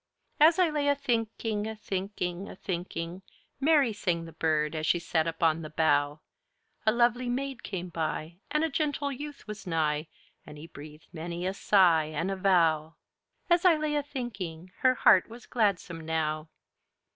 As I laye a thynkynge, a thynkynge, a thynkynge, Merrie sang the Birde as she sat upon the boughe; A lovely mayde came bye, And a gentil youth was nyghe, And he breathed many a syghe, And a vowe; As I laye a thynkynge, her hearte was gladsome now.